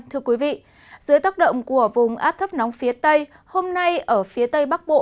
thưa quý vị dưới tác động của vùng áp thấp nóng phía tây hôm nay ở phía tây bắc bộ